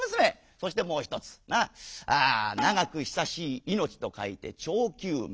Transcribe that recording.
「そしてもう一つ『長く久しい命』と書いて長久命。